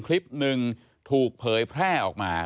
คลิปหนึ่งถูกเผยแพร่ออกมา